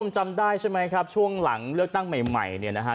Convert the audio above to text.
จำได้ใช่ไหมครับช่วงหลังเลือกตั้งใหม่เนี่ยนะฮะ